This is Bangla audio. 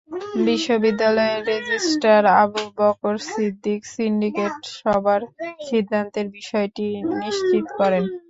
বিশ্ববিদ্যালয়ের রেজিস্ট্রার আবু বকর সিদ্দিক সিন্ডিকেট সভার সিদ্ধান্তের বিষয়টি নিশ্চিত করেন।